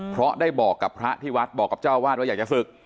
เพราะได้บอกกับพระที่วัดบอกกับเจ้าวาดว่าอยากจะศึก